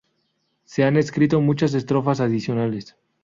Se han escrito muchas estrofas adicionales.